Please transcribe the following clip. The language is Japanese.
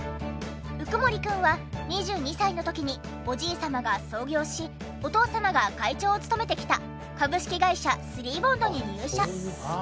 鵜久森くんは２２歳の時におじい様が創業しお父様が会長を務めてきた株式会社スリーボンドに入社。